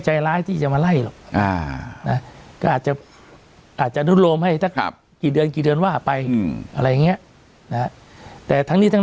ใจร้ายที่จะมาไล่ก็อาจจะอาจจะรวมให้เรื่องว่าใช่ไหมแต่ทางนี้ทั้ง